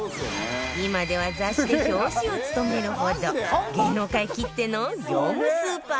今では雑誌で表紙を務めるほど芸能界きっての業務スーパーマニア